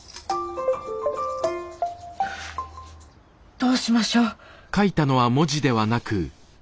どうしましょう。